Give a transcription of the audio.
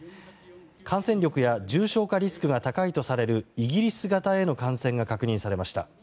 感染力や重症化リスクが高いとされるイギリス型への感染が確認されました。